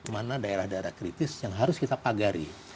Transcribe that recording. mana daerah daerah kritis yang harus kita pagari